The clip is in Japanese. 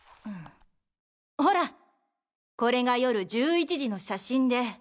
ほらこれが夜１１時の写真で。